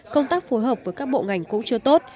công tác phối hợp với các bộ ngành cũng chưa tốt